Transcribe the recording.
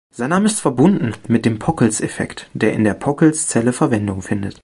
Sein Name ist verbunden mit dem Pockels-Effekt, der in der Pockels-Zelle Verwendung findet.